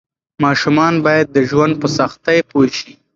ماشومان باید د ژوند په سختۍ پوه شي.